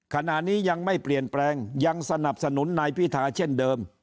ขณะนี้ยังไม่เปลี่ยนแปลงยังสนับสนุนนายพิธาเช่นเดิม